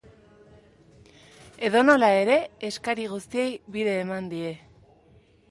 Edonola ere, eskari guztiei bide eman die.